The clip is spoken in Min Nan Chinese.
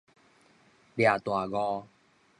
掠大誤